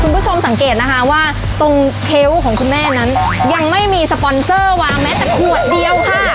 คุณผู้ชมสังเกตนะคะว่าตรงเค้วของคุณแม่นั้นยังไม่มีสปอนเซอร์วางแม้แต่ขวดเดียวค่ะ